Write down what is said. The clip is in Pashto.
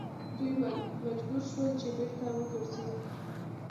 دوی مجبور شول چې بیرته وګرځي.